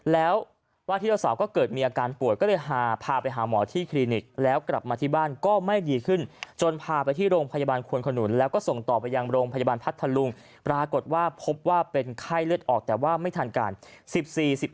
แล้วตอนนี้ก็ระบาดกันเยอะด้วยนะครับมีผู้ป่วยเยอะเพราะฉะนั้นต้องระมัดระวังอย่าให้ยุ่งใดนะครับ